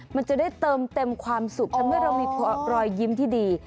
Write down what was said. มันจะได้เติมเต็มความสุขในเมื่อเรามีรอยยิ้มที่ดี